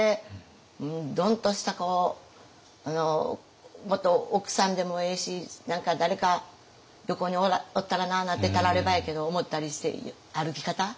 ドン！とした奥さんでもええし何か誰か横におったらなあなんてたらればやけど思ったりして歩き方。